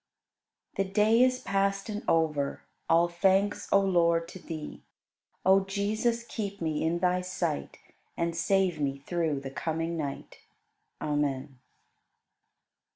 24. The day is past and over, All thanks, O Lord, to Thee! O Jesus, keep me in Thy sight And save me through the coming night. Amen.